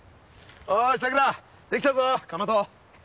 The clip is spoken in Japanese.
おいさくらできたぞかまど。